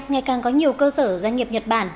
ngày càng có nhiều cơ sở doanh nghiệp nhật bản